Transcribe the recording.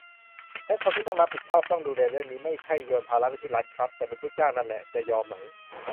และคนที่ต้องรับผิดชอบ ต้องดูแลเรื่องนี้ ไม่ใช่โยนภาระไปที่รัฐครับ แต่เป็นผู้จ้างนั่นแหละ จะยอมไหม